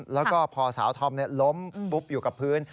แล้วก็พอสาวธอมล้มปุ๊บอยู่กับพื้น